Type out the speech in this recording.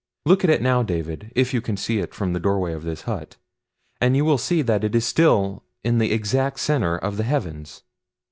Look at it now, David if you can see it from the doorway of this hut and you will see that it is still in the exact center of the heavens.